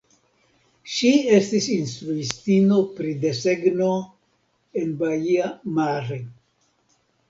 Ŝi estis instruistino pri desegno en Baia Mare.